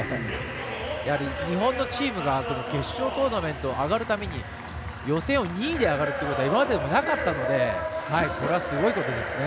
やはり日本のチームが決勝トーナメントに上がるために予選を２位で上がるってことは今までなかったのでこれはすごいことですね。